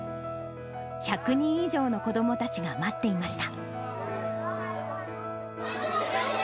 １００人以上の子どもたちが待っていました。